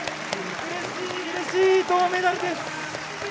うれしいうれしい銅メダルです！